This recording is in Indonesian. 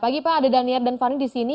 pagi pak ada dania dan farni di sini